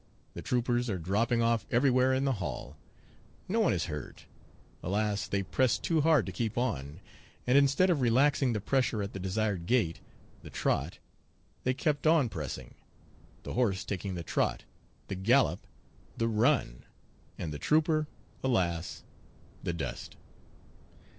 The troopers are dropping off everywhere in the hall. No one is hurt. Alas! they pressed too hard to keep on, and instead of relaxing the pressure at the desired gait, the trot, they kept on pressing, the horse taking the trot, the gallop, the run, and the trooper, alas! the dust.